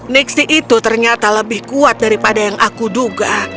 nixy itu ternyata lebih kuat daripada yang aku duga